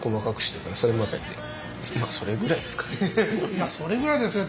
いや「それぐらいですね」